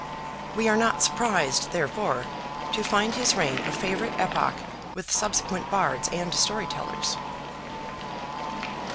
We are not surprised, therefore, to find his reign a favourite epoch with subsequent Bards and Storytellers.